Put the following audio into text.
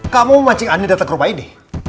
kamu memancing andi datang ke rumah ini